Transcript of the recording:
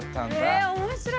え面白い。